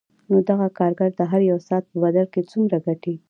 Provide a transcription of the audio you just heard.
نو دغه کارګر د هر یوه ساعت په بدل کې څومره ګټي